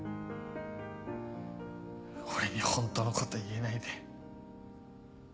俺にホントのこと言えないで。